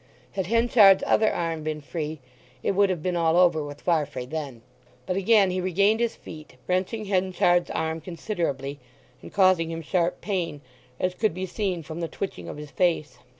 Had Henchard's other arm been free it would have been all over with Farfrae then. But again he regained his feet, wrenching Henchard's arm considerably, and causing him sharp pain, as could be seen from the twitching of his face.